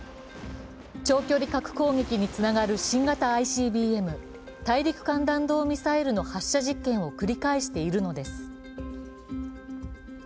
長距離核攻撃につながる新型ＩＣＢＭ＝大陸間弾道ミサイルの発射実験を繰り返しているのです。